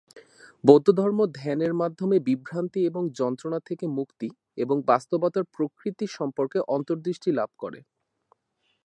বৌদ্ধধর্ম ধ্যানের মাধ্যমে বিভ্রান্তি এবং যন্ত্রণা থেকে মুক্তি এবং বাস্তবতার প্রকৃতি সম্পর্কে অন্তর্দৃষ্টি লাভ করে।